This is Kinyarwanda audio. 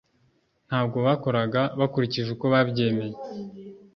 ntabwo bakoraga bakurikije uko babyemeye;